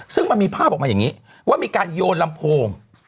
ซึ่งมันมีภาพออกมาอย่างนี้ว่ามีการโยนลำโพง